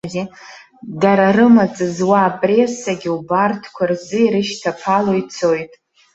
Дара рымаҵ зуа апрессагьы убарҭқәа рзы ирышьҭаԥало ицоит.